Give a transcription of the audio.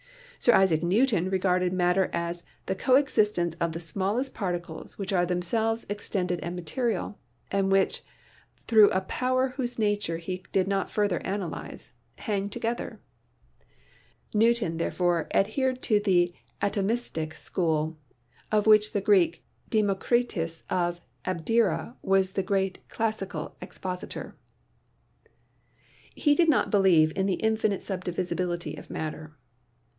Sir Isaac Newton regarded matter as "the coexistence of the smallest particles which are themselves extended and material" and which, through a power whose nature he did not further analyse, hang together. Newton, therefore, AN ANALYSIS OF MATTER n adhered to the atomistic school, of which the Greek De mocritus of Abdera was the great classic expositor. He did not believe in the infinite sub divisibility of matter.